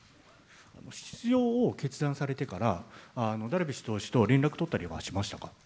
出場を決断されてから、ダルビッシュ投手と連絡を取ったりはしましたか。